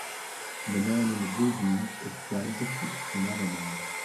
The man in the blue jeans is trying to kick another man.